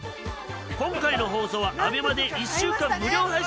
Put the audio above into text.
今回の放送はＡＢＥＭＡで１週間無料配信します。